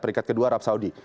perikat kedua arab saudi